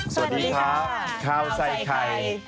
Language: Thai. สวัสดีครับข้าวใส่ไข่